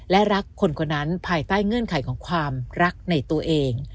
และรักคนคนนั้นภายใต้เงื่อนไขของความรักในตัวเอง